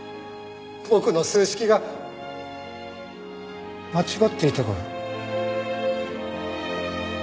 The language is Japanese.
僕の数式が間違っていたから。